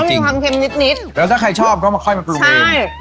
เพราะมันมีความเค็มนิดนิดแล้วถ้าใครชอบก็มาค่อยมากลงเองใช่